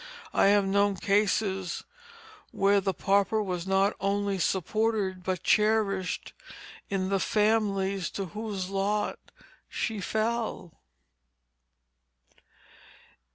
I have known cases where the pauper was not only supported but cherished in the families to whose lot she fell.